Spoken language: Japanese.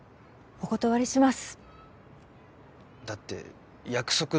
お断りします。